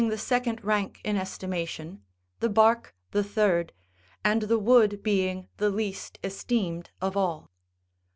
the second rank in estimation, the bark the third, and the wood being the least esteemed of all.